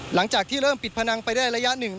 หลังจากที่เริ่มปิดพนังไปได้ระยะหนึ่ง